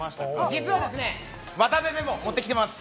実は、渡部メモ持ってきてます。